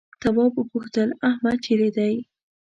تواب وپوښتل احمد چيرې دی؟